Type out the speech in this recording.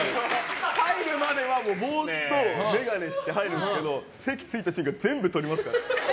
入るまでは帽子と眼鏡して入るんですけど席に着いた瞬間全部取りますから。